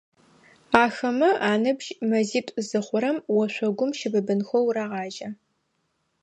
Ахэмэ аныбжь мэзитӏу зыхъурэм, ошъогум щыбыбынхэу рагъажьэ.